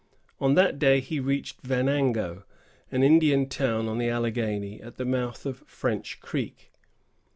On that day he reached Venango, an Indian town on the Alleghany, at the mouth of French Creek.